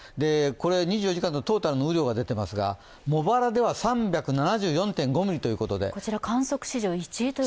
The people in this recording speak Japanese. ２４時間のトータルの雨量が出ていますが、茂原では３７４．５ミリということで。